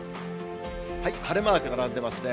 晴れマーク並んでますね。